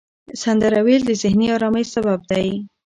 سندره ویل د ذهني آرامۍ سبب دی.